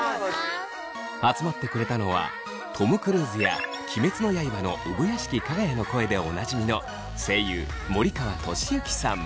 集まってくれたのはトム・クルーズや「鬼滅の刃」の産屋敷耀哉の声でおなじみの声優森川智之さん。